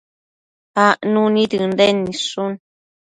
acnu nid Ënden nidshun